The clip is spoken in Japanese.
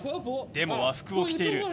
でも和服を着ている。